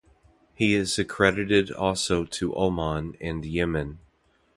He is accredited also to Oman and Yemen.